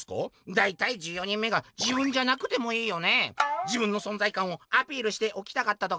「だいたい１４人目が自分じゃなくてもいいよね。自分の存在感をアピールしておきたかったとか？